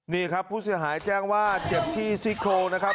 นี่ครับผู้เสียหายแจ้งว่าเจ็บที่ซี่โครงนะครับ